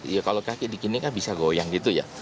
ya kalau kaki dikini kan bisa goyang gitu ya